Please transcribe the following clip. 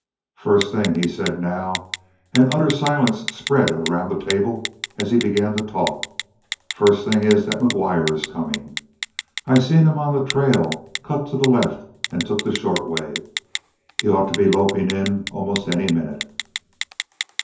"First thing," he said now and utter silence spread around the table as he began to talk "first thing is that McGuire is coming. I seen him on the trail, cut to the left and took the short way. He ought to be loping in almost any minute."